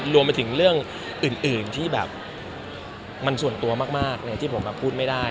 รวมไปถึงเรื่องอื่นอื่นที่แบบมันส่วนตัวมากมากเนี้ยที่ผมแบบพูดไม่ได้